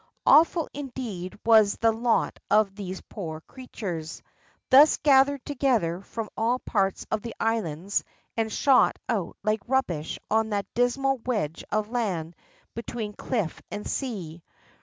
Awful indeed was the lot of these poor creatures, thus gathered together from all parts of the islands and shot out like rubbish on that dismal wedge of land be tween cliff and sea.